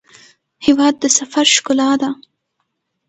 هېواد د سفر ښکلا ده.